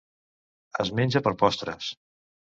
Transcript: Es menja per postres.